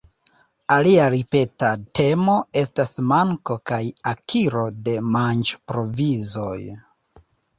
Alia ripeta temo estas manko kaj akiro de manĝ-provizoj.